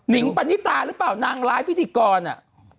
นิ๋งปณิตารึเปล่วนางร้ายพิธีกรอ่ะ